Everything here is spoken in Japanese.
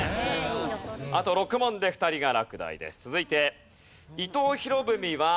あと６問で２人が落第です。